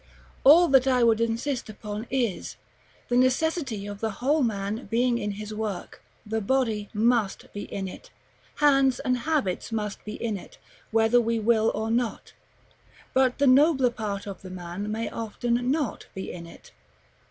All that I would insist upon is, the necessity of the whole man being in his work; the body must be in it. Hands and habits must be in it, whether we will or not; but the nobler part of the man may often not be in it.